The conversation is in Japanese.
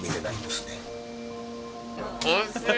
おいしい。